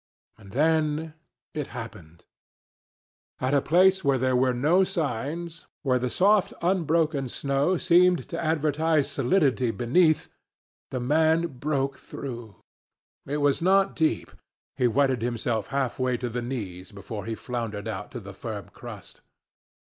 And then it happened. At a place where there were no signs, where the soft, unbroken snow seemed to advertise solidity beneath, the man broke through. It was not deep. He wetted himself half way to the knees before he floundered out to the firm crust.